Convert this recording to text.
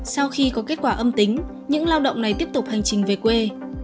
sau khi có kết quả âm tính những lao động này tiếp tục hành trình về quê